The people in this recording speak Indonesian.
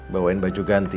bawain baju ganti